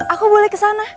aku boleh ke sana